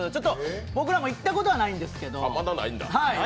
僕らも行ったことはないんですけど。